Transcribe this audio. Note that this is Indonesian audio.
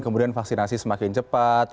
kemudian vaksinasi semakin cepat